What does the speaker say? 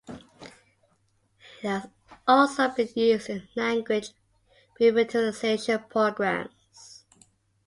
It has also been used in language revitalization programs.